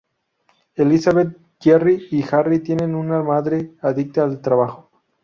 Elizabeth, Jeremy y Harry tienen una madre adicta al trabajo.